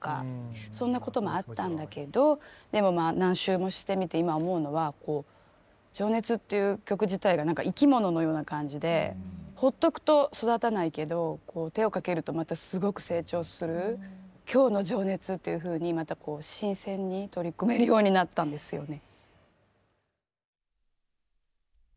そんなこともあったんだけどでもまあ何周もしてみて今思うのは「情熱」っていう曲自体が何か生き物のような感じでほっとくと育たないけど手をかけるとまたすごく成長する今日の「情熱」というふうにまた新鮮に取り組めるようになったんですよね。